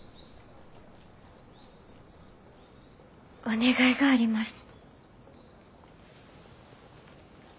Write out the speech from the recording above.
お願いがあります。